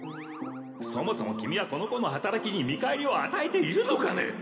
そもそも君はこの子の働きに見返りを与えているのかね？